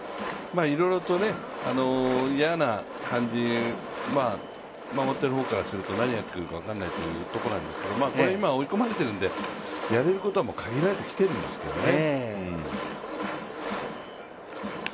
いろいろと嫌な感じ、守ってる方からすると何やってくるか分からない状態で今、追い込まれているんでやれることは限られてきているんですけどね。